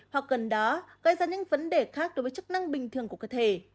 hoặc gần đó gây ra những vấn đề khác đối với chức năng bình thường của cơ thể